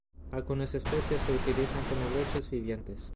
Algunas especies se utilizan como broches vivientes.